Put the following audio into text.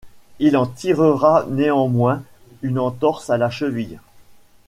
Il en tirera néanmoins une entorse à la cheville.